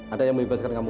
ada yang mau bebaskan kamu